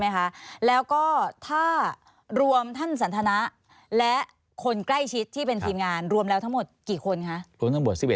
๘หมายจับเฉพาะตัวท่านนะ๘